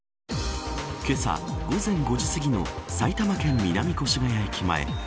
けさ午前５時すぎの埼玉県南越谷駅前。